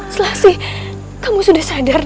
selasih kamu sudah sadar